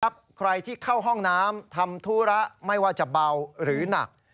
ใครที่เข้าห้องน้ำทำธุระไม่ว่าจะเบาหรือหนัก